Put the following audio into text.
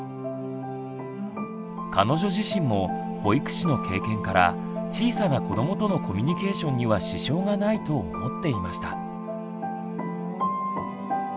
彼女自身も保育士の経験から小さな子どもとのコミュニケーションには支障がないと思っていました。